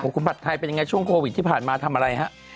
คุณผัดไทยเป็นยังไงช่วงโควิดที่ผ่านมาทำอะไรฮะ